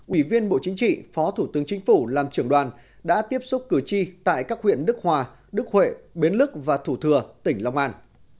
ủy viên bộ chính trị phó thủ tướng chính phủ làm trưởng đoàn đã tiếp xúc cử tri tại các huyện đức hòa đức huệ bến lức và thủ thừa tỉnh long an